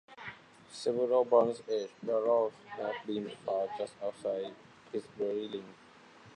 Several Bronze Age barrows have been found just outside Cissbury Ring.